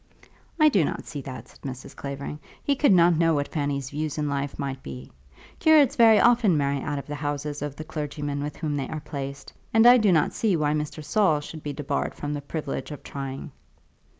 "I do not see that," said Mrs. Clavering. "He could not know what Fanny's views in life might be. Curates very often marry out of the houses of the clergymen with whom they are placed, and I do not see why Mr. Saul should be debarred from the privilege of trying."